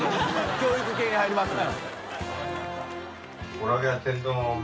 教育系に入りますね